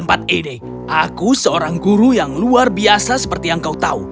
aku seorang guru yang luar biasa seperti yang kau tahu